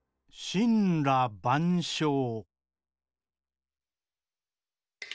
「しんらばんしょう」。